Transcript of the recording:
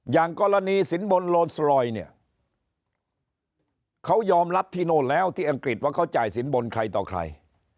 อย่างกรณีสินบนโลนสรอยเนี่ยเขายอมรับที่โน่นแล้วที่อังกฤษว่าเขาจ่ายสินบนใครต่อใคร